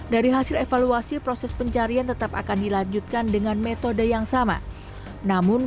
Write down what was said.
dari hasil evaluasi proses pencarian tetap akan dilanjutkan dengan metode yang sama namun